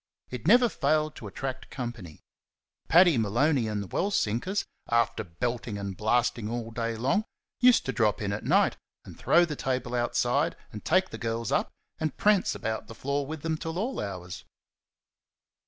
It never failed to attract company. Paddy Maloney and the well sinkers, after belting and blasting all day long, used to drop in at night, and throw the table outside, and take the girls up, and prance about the floor with them till all hours.